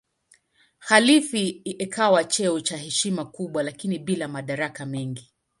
Khalifa ikawa cheo cha heshima kubwa lakini bila madaraka mengi.